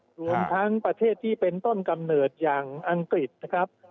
รวมทั้งประเทศที่เป็นต้นกำเนิดอย่างอังกฤษนะครับ